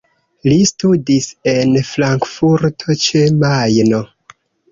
Li studis en Frankfurto ĉe Majno.